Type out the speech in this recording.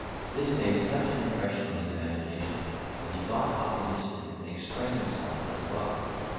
This made such an impression on his imagination, that he got up in his sleep and expressed himself as above.